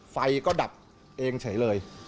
ไฟก็ดับเองเฉยเลย